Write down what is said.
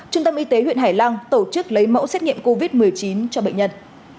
trung tâm y tế huyện hải lăng tổ chức lấy mẫu xét nghiệm covid một mươi chín cho bệnh nhân